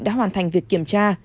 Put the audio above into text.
đã hoàn thành việc kiểm tra